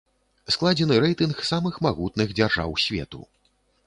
Складзены рэйтынг самых магутных дзяржаў свету.